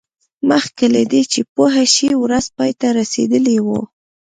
مخکې له دې چې پوه شي ورځ پای ته رسیدلې وه